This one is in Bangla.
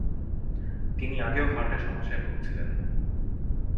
তিনি আগেও হার্টের সমস্যায় ভুগছিলেন।